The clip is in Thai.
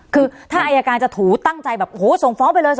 คือถ้าอายการจะถูตั้งใจแบบโอ้โหส่งฟ้องไปเลย